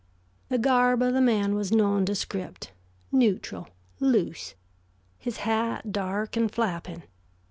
The garb of the man was nondescript, neutral, loose; his hat dark and flapping.